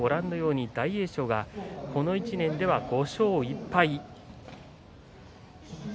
大栄翔がこの１年では５勝１敗です。